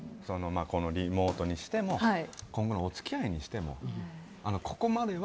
リモートにしても今後のお付き合いにしても。